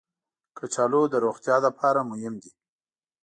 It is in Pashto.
کچالو د روغتیا لپاره مهم دي